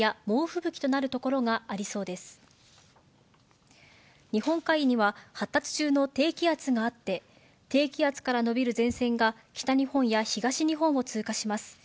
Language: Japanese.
日本海には発達中の低気圧があって、低気圧から延びる前線が北日本や東日本を通過します。